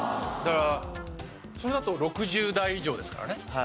だからそれだと６０代以上ですからね。